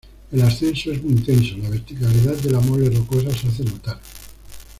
El ascenso es muy intenso; la verticalidad de la mole rocosa se hace notar.